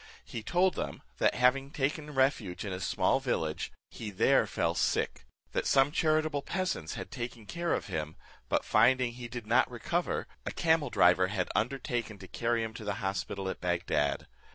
He told them, that having taken refuge in a small village, he there fell sick; that some charitable peasants had taken care of him, but finding he did not recover, a camel driver had undertaken to carry him to the hospital at Bagdad.